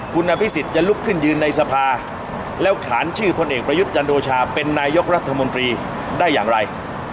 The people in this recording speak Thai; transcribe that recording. คุณอภิษฎจะลุกขึ้นยืนในสภาแล้วขานชื่อพลเอกประยุทธ์จันโอชาเป็นนายกรัฐมนตรีได้อย่างไร